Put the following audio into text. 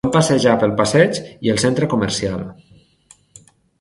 Vam passejar pel passeig i el centre comercial.